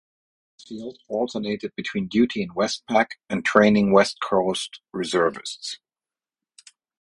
After Korea, "Mansfield" alternated between duty in WestPac and training West Coast reservists.